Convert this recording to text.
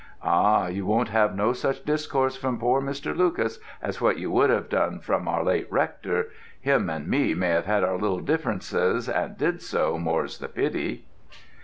"Ah, you won't have no such discourse from poor Mr. Lucas as what you would have done from our late Rector. Him and me may have had our little differences, and did do, more's the pity."